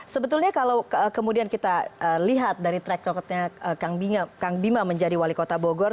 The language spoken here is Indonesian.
sebetulnya kalau kemudian kita lihat dari track recordnya kang bima menjadi wali kota bogor